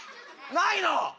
ないの！？